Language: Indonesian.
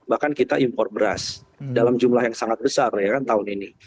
bahkan kita impor beras dalam jumlah yang sangat besar ya kan tahun ini